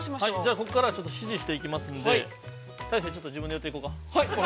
◆ここからはちょっと指示していきますので大聖、ちょっと自分でやっていこうか。